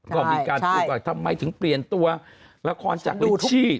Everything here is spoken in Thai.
จะบเป็นการแล้วก็ทำไมถึงเปลี่ยนตัวละครจากชี่